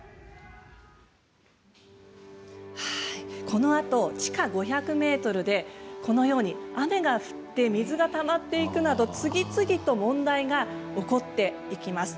このあと地下５００ｍでこのように雨が降って水がたまっていくなど次々と問題が起こっていきます。